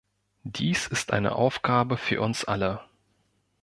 Dies ist eine Aufgabe für uns alle.